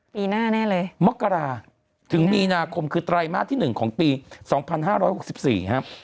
ปีหน้าแน่เลยมกราถึงมีนาคมคือไตรมาสที่หนึ่งของปีสองพันห้าร้อยหกสิบสี่ครับ